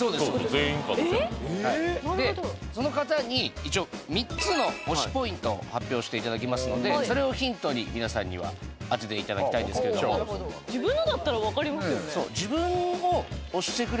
全員可能性があるなるほどでその方に一応３つの推しポイントを発表していただきますのでそれをヒントに皆さんには当てていただきたいんですけれども自分のだったら分かりますよね